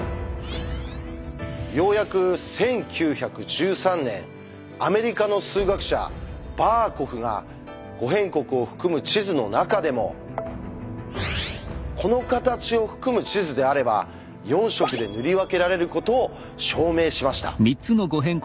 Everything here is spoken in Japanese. ようやく１９１３年アメリカの数学者バーコフが「五辺国」を含む地図の中でもこの形を含む地図であれば４色で塗り分けられることを証明しました。